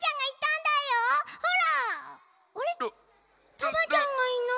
タマちゃんがいない。